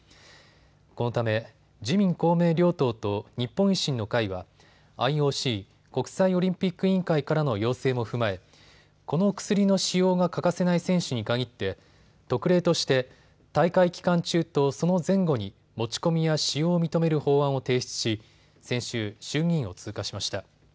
このため自民公明両党と日本維新の会はＩＯＣ・国際オリンピック委員会からの要請も踏まえこの薬の使用が欠かせない選手に限って特例として大会期間中とその前後に持ち込みや使用を認める法案を提出し先週、衆議院を通過しました。